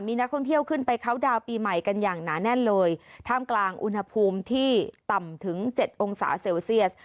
มีนักท่องเที่ยวขึ้นไปเขาดาวน์ปีใหม่กันอย่างหนาแน่นเลยท่ามกลางอุณหภูมิที่ต่ำถึงเจ็ดองศาเซลเซียส